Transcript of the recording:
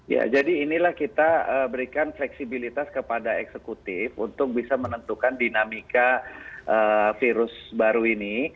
ya jadi inilah kita berikan fleksibilitas kepada eksekutif untuk bisa menentukan dinamika virus baru ini